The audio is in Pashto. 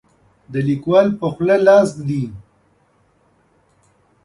د لیکوال په خوله لاس ږدي.